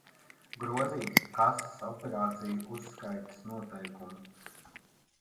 Grozīti kases operāciju uzskaites noteikumi